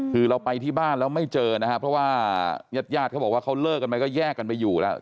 คือเราไปที่บ้านแล้วไม่เจอนะครับเพราะว่าญาติญาติเขาบอกว่าเขาเลิกกันไปก็แยกกันไปอยู่แล้ว